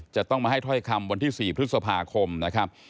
จะต้องมาให้ถ้อยคำวันที่๔พฤษภาคมนะครับ